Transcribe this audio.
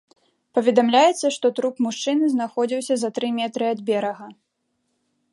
Паведамляецца, што труп мужчыны знаходзіўся за тры метры ад берага.